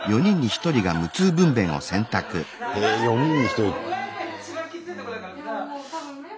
へえ４人に１人。